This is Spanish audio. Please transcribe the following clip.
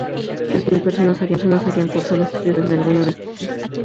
Más de diez mil personas habían cursado estudios en alguno de sus centros.